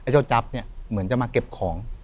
เจ้าจั๊บเนี่ยเหมือนจะมาเก็บของ